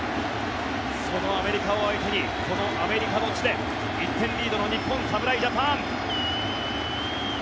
そのアメリカを相手にこのアメリカの地で１点リードの日本、侍ジャパン。